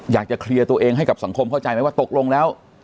อยากจะเคลียร์ตัวเองให้กับสังคมเข้าใจไหมว่าตกลงแล้ว